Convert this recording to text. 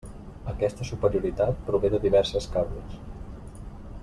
Aquesta superioritat prové de diverses causes.